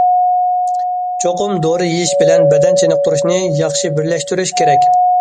چوقۇم دورا يېيىش بىلەن بەدەن چېنىقتۇرۇشنى ياخشى بىرلەشتۈرۈش كېرەك.